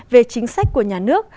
về chính sách của nhà nước